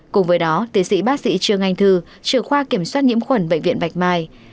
cùng với đó tiến sĩ bác sĩ trương anh thư trường khoa kiểm soát nhiễm khuẩn bệnh viện bạch mai